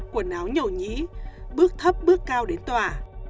quần áo nhổ nhí bước thấp bước cao đến tòa